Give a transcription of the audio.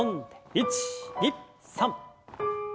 １２３。